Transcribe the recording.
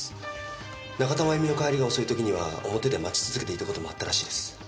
仲田真弓の帰りが遅い時には表で待ち続けていた事もあったらしいです。